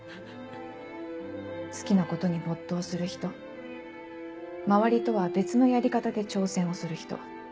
好きなことに没頭する人周りとは別のやり方で挑戦をする人。